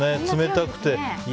冷たくて。